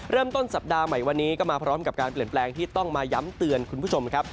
เริ่มต้นสัปดาห์ใหม่วันนี้ก็มาพร้อมกับการเปลี่ยนแปลงที่ต้องมาย้ำเตือนคุณผู้ชมครับ